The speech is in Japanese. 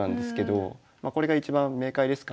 これが一番明快ですかね。